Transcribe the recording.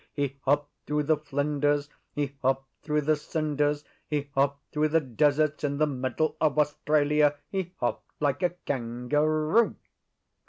He hopped through the Flinders; he hopped through the Cinders; he hopped through the deserts in the middle of Australia. He hopped like a Kangaroo.